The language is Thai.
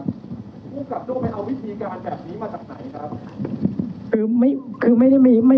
ผู้กับโลกไปเอาวิธีการแบบนี้มาจากไหนครับ